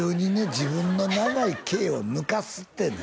自分の長い毛を抜かすってね